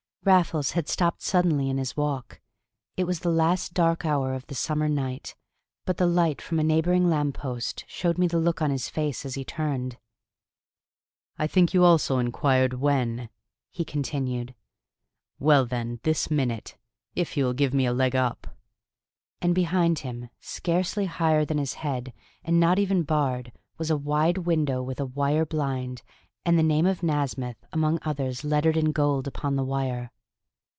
Raffles had stopped suddenly in his walk. It was the last dark hour of the summer night, but the light from a neighboring lamppost showed me the look on his face as he turned. "I think you also inquired when," he continued. "Well, then, this minute if you will give me a leg up!" And behind him, scarcely higher than his head, and not even barred, was a wide window with a wire blind, and the name of Nasmyth among others lettered in gold upon the wire.